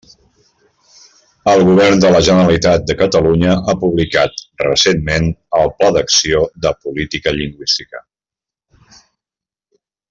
El Govern de la Generalitat de Catalunya ha publicat, recentment, el Pla d'Acció de Política Lingüística.